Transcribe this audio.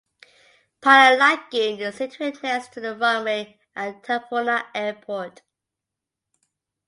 Pala Lagoon is situated next to the runway at Tafuna Airport.